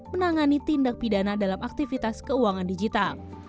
menangani tindak pidana dalam aktivitas keuangan digital